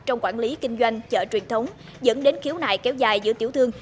trong quản lý kinh doanh chợ truyền thống dẫn đến khiếu nại kéo dài giữa tiểu thương